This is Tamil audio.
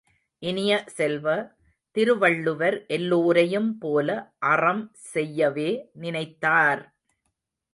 இனிய செல்வ, திருவள்ளுவர் எல்லோரையும் போல அறம் செய்யவே நினைத்தார்!